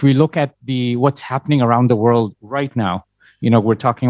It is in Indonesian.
jika kita melihat apa yang berlaku di seluruh dunia sekarang